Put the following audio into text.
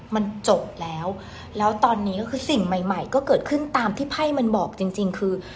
มันจบแล้วแล้วตอนนี้ก็คือสิ่งใหม่ใหม่ก็เกิดขึ้นตามที่ไพ่มันบอกจริงคือ